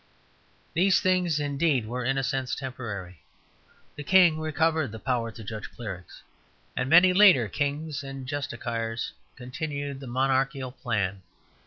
These things indeed were in a sense temporary; the King recovered the power to judge clerics, and many later kings and justiciars continued the monarchical plan.